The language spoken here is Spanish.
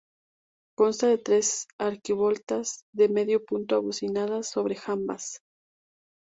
Consta de tres arquivoltas de medio punto abocinadas sobre jambas.